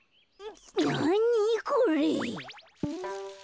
なにこれ？